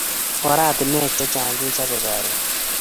Oratunwek che chang kechape karon